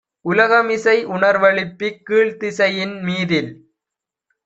உலகமிசை உணர்வெழுப்பிக் கீழ்த்திசையின் மீதில்